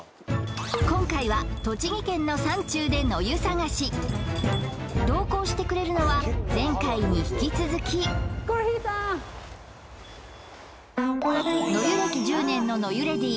今回は栃木県の山中で野湯探し同行してくれるのは前回に引き続き野湯歴１０年の野湯レディー